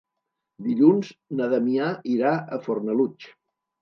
Dilluns na Damià irà a Fornalutx.